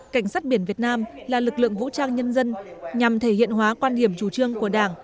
cảnh sát biển việt nam là lực lượng vũ trang nhân dân nhằm thể hiện hóa quan điểm chủ trương của đảng